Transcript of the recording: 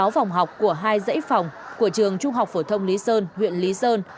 sáu phòng học của hai dãy phòng của trường trung học phổ thông lý sơn huyện lý sơn